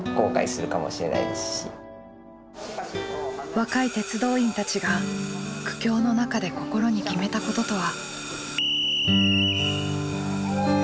若い鉄道員たちが苦境の中で心に決めたこととは。